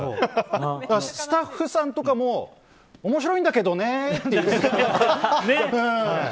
スタッフさんとかも面白いんだけどねって。